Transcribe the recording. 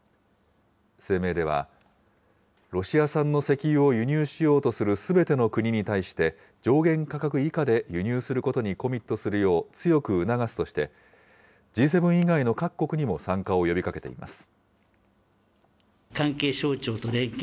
声明では、ロシア産の石油を輸入しようとするすべての国に対して、上限価格以下で輸入することにコミットするよう強く促すとして、Ｇ７以外の各国にも参加を呼びかけています。